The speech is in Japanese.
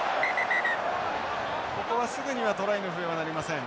ここはすぐにはトライの笛は鳴りません。